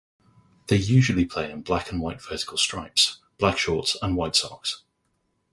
They usually play in black and white vertical stripes, black shorts and white socks.